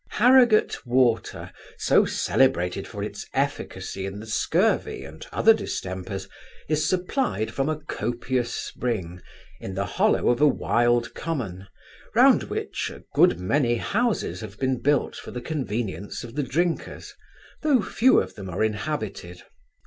Harrigate water, so celebrated for its efficacy in the scurvy and other distempers, is supplied from a copious spring, in the hollow of a wild common, round which, a good many houses have been built for the convenience of the drinkers, though few of them are inhabited.